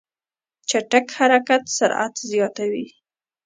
چټک حرکت سرعت زیاتوي.